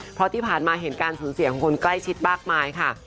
เพราะที่ผ่านมาเห็นการสูญเสียของคนใกล้ชิดมากมายค่ะ